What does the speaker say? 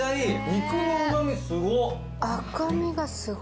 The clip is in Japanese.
肉のうま味すごっ。